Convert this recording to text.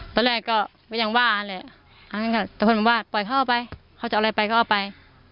ตอนแรกก็ไม่อยากว่าแต่คนมันว่าปล่อยเข้าไปเขาจะเอาอะไรไปก็เอาไป